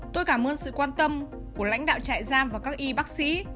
tôi cảm ơn sự quan tâm của lãnh đạo trại giam và các y bác sĩ